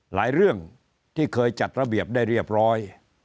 เรื่องที่เคยจัดระเบียบได้เรียบร้อย